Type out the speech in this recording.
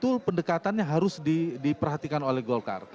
betul pendekatannya harus diperhatikan oleh golkar